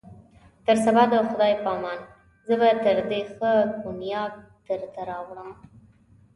تر سبا د خدای په امان، زه به تر دې ښه کونیاک درته راوړم.